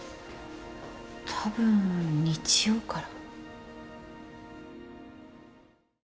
たぶん日曜から。